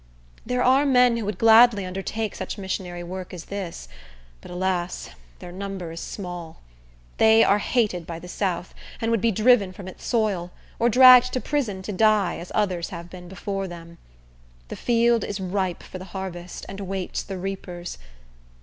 There are men who would gladly undertake such missionary work as this; but, alas! their number is small. They are hated by the south, and would be driven from its soil, or dragged to prison to die, as others have been before them. The field is ripe for the harvest, and awaits the reapers.